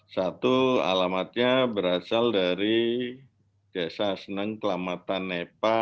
satu alamatnya berasal dari desa senang kelamatan nepa